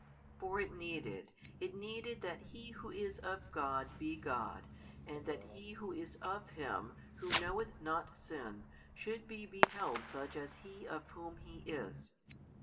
For it needed, it needed that He Who is of God be God and that He Who is of Him Who knoweth not sin should be beheld such as He of Whom He is.